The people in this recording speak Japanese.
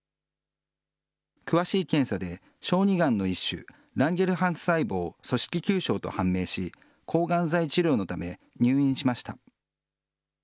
詳しい検査で、小児がんの一種、ランゲルハンス細胞組織球症と判明し、抗がん剤治療のため入院しました。